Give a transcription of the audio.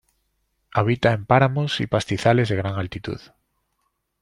Habita en páramos y pastizales de gran altitud.